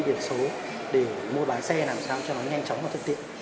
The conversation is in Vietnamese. việc số để mua bán xe làm sao cho nó nhanh chóng và thật tiện